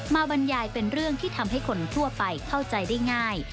บรรยายเป็นเรื่องที่ทำให้คนทั่วไปเข้าใจได้ง่าย